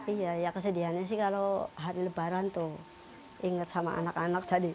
iya ya kesedihannya sih kalau hari lebaran tuh inget sama anak anak